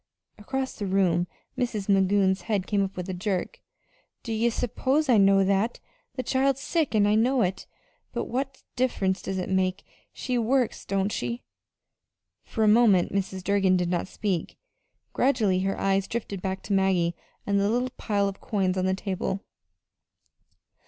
Across the room Mrs. Magoon's head came up with a jerk. "Don't ye s'pose I know that? The child's sick, an' I know it. But what diff'rence does that make? She works, don't she?" For a moment Mrs. Durgin did not speak. Gradually her eyes drifted back to Maggie and the little pile of coins on the table.